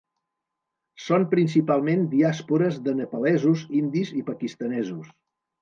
Són principalment diàspores de nepalesos, indis i pakistanesos.